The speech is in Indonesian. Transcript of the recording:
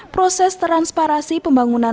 proses transparansi pembangunan